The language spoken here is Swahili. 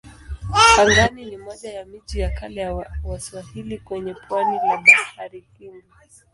Pangani ni moja ya miji ya kale ya Waswahili kwenye pwani la Bahari Hindi.